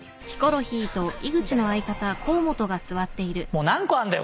もう何個あるんだよ？